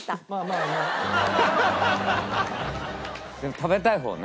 食べたい方ね。